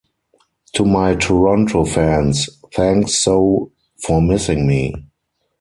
To my Toronto fans, thanks so for missing me.